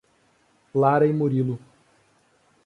Lara e Murilo